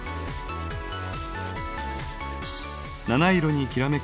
七色にきらめく